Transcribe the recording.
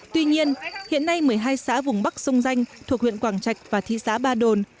tuy nhiên hiện nay một mươi hai xã vùng bắc sông danh thuộc huyện quảng trạch và thị xã ba đồn